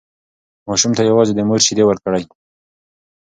ماشوم ته یوازې د مور شیدې ورکړئ.